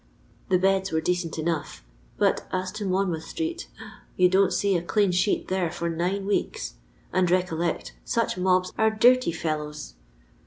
The beds were decent enough ; but as to Monmouth street ! you don't see a clean sheet there for nine weeks ; and, recollect, such snobs are dirty fellows.